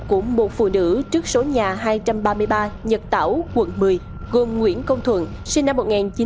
của một phụ nữ trước số nhà hai trăm ba mươi ba nhật tảo quận một mươi gồm nguyễn công thuận sinh năm một nghìn chín trăm tám mươi